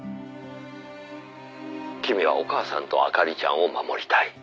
「君はお母さんと明里ちゃんを守りたい。